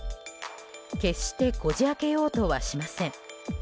決してこじ開けようとはしません。